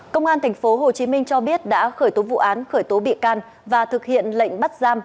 công an thành phố hồ chí minh cho biết đã khởi tố vụ án khởi tố bị can và thực hiện lệnh bắt giam